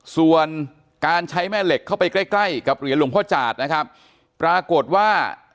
ส่วนการใช้แม่เหล็กเข้าไปใกล้ใกล้กับเหรียญหลวงพ่อจาดนะครับปรากฏว่า